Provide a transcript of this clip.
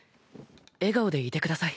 笑顔でいてください。